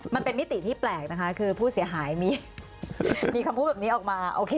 มาเป็นมิติที่แปลกพูดเสียหายมีคำพูดแบบนี้ออกมา